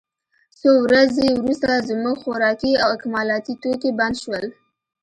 څو ورځې وروسته زموږ خوراکي او اکمالاتي توکي بند شول